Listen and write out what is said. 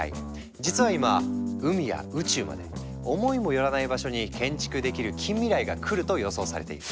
実は今海や宇宙まで思いも寄らない場所に建築できる近未来がくると予想されている。